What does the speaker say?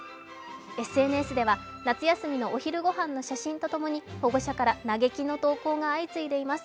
ＳＮＳでは、夏休みの昼御飯の写真とともに、保護者から嘆きの投稿が相次いでいます。